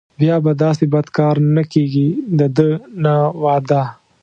بیا به داسې بد کار نه کېږي دده نه وعده.